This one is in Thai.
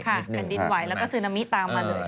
แผ่นดินไหวแล้วก็ซึนามิตามมาเลย